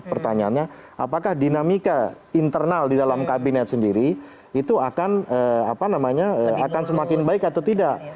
pertanyaannya apakah dinamika internal di dalam kabinet sendiri itu akan semakin baik atau tidak